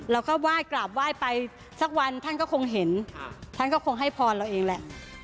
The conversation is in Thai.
เราก็ไหว้กราบไหว้ไปสักวันท่านก็คงเห็นท่านก็คงให้พรเราเองแหละ